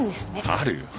あるよ。